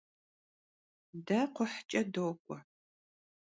De kxhuhç'e dok'ue.